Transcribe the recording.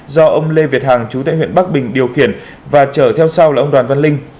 do ông lê việt hằng chú tại huyện bắc bình điều khiển và chở theo sau là ông đoàn văn linh